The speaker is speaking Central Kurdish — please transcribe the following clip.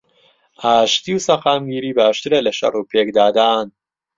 ئاشتی و سەقامگیری باشترە لەشەڕ و پێکدادان